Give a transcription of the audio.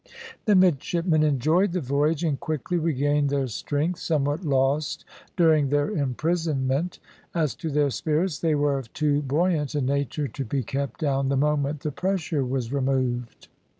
The midshipmen enjoyed the voyage and quickly regained their strength, somewhat lost during their imprisonment; as to their spirits they were of too buoyant a nature to be kept down the moment the pressure was removed.